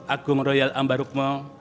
agung royal ambarukmo